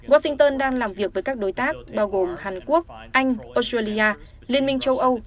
washington đang làm việc với các đối tác bao gồm hàn quốc anh australia liên minh châu âu